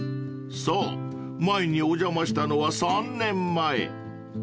［そう前にお邪魔したのは３年前］